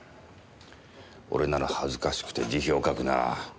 俺なら恥ずかしくて辞表書くな。